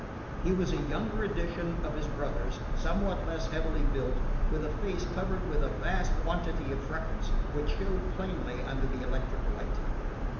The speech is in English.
He was a younger edition of his brothers, somewhat less heavily built, with a face covered with a vast quantity of freckles, which showed plainly under the electric light.